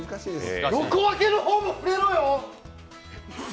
横分けの方も触れろよ！